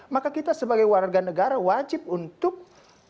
maka kita sebagai warga negara wajib untuk